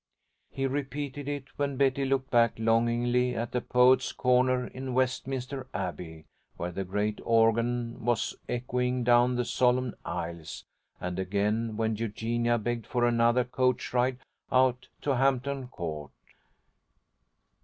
He repeated it when Betty looked back longingly at the Poets' Corner in Westminster Abbey, where the great organ was echoing down the solemn aisles, and again when Eugenia begged for another coach ride out to Hampton Court.